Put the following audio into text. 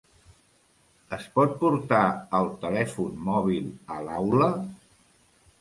Es pot portar el telèfon mòbil a l'aula?